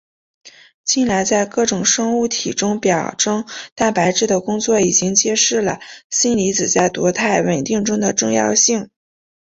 近来在各种生物体中表征蛋白质的工作已经揭示了锌离子在多肽稳定中的重要性。